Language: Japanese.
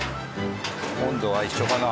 温度は一緒かな？